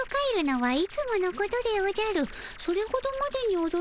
はい。